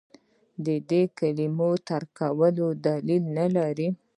د دې کلمو ترک کول دلیل نه لري.